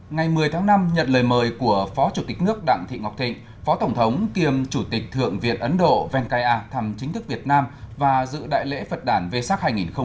ngày một mươi tháng năm nhận lời mời của phó chủ tịch nước đặng thị ngọc thịnh phó tổng thống kiêm chủ tịch thượng viện ấn độ venkaya thăm chính thức việt nam và dự đại lễ phật đàn vê sắc hai nghìn một mươi chín